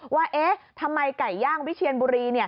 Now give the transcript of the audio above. ว่าทำไมไก่ย่างวิเชียนบุรี